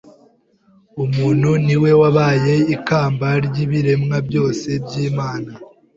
Umuntu ni we wabaye ikamba ry’ibiremwa byose by’Imana,